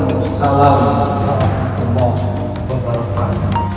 assalamualaikum warahmatullahi wabarakatuh